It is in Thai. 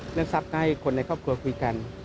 เรื่องทรัพย์ก็ให้คนในครอบครัวคุยกัน